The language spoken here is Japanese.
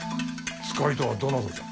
使いとはどなたじゃ？